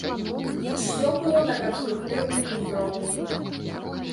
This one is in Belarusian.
Усё было на канструктыўным узроўні.